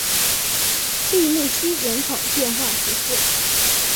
利穆西人口变化图示